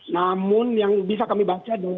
namun yang bisa kami baca